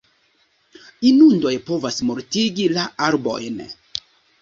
Inundoj povas mortigi la arbojn.